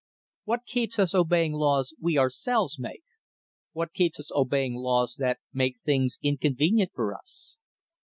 What keeps us obeying laws we ourselves make? What keeps us obeying laws that make things inconvenient for us?